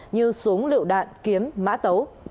như súng lựu đạn kiếm mã tấu